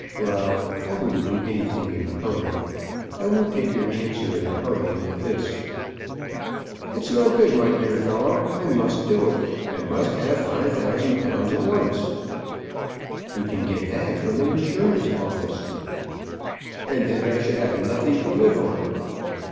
"Ralph; I wouldn't do anything in a hurry. I won't take your answer in a hurry like this." "It's no good, my dear fellow, I must do it. I must have £5,000 at once." "You can get that from an insurance office." "And then I should have nothing to live on.